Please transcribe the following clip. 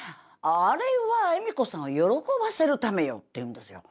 「あれは恵美子さんを喜ばせるためよ」って言うんですよ。